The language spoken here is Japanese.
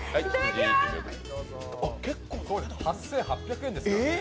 ８８００円ですからね。